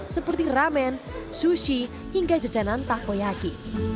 seperti ramen sushi hingga jajanan takoyaki